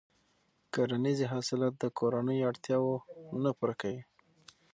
کرنیزې حاصلات د کورنیو اړتیاوې نه پوره کوي.